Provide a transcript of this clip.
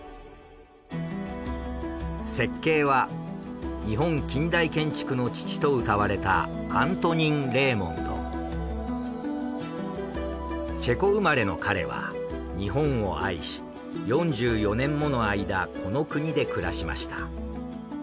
設計は日本近代建築の父とうたわれたチェコ生まれの彼は日本を愛し４４年もの間この国で暮らしました。